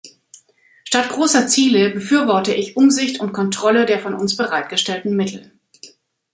Statt großer Ziele befürworte ich Umsicht und Kontrolle der von uns bereitgestellten Mittel.